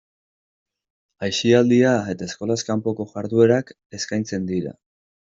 Aisialdia eta eskolaz kanpoko jarduerak eskaintzen dira.